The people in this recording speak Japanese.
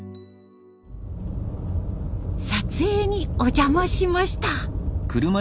撮影にお邪魔しました。